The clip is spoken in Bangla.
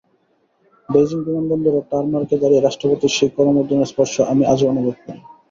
বেইজিং বিমানবন্দরের টারমার্কে দাঁড়িয়ে রাষ্ট্রপতির সেই করমর্দনের স্পর্শ আমি আজও অনুভব করি।